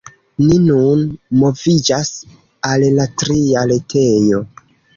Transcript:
Ni nun moviĝas al la tria retejo.